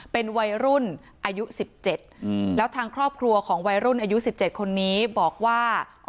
เป็นวัยรุ่นอายุ๑๗แล้วทางครอบครัวของวัยรุ่นอายุ๑๗คนนี้บอกว่า